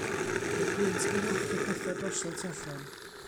Mae'r gwynt 'di nocio petha' drosodd tu allan.